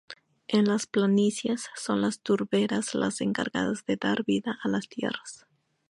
En las planicies son las turberas las encargadas de dar vida a las tierras.